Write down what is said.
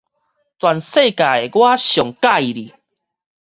全世界我上佮意你